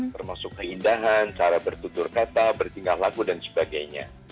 termasuk keindahan cara bertutur kata bertingkah laku dan sebagainya